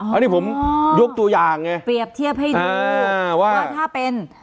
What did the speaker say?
อันนี้ผมยกตัวอย่างไงเปรียบเทียบให้ดูว่าถ้าเป็น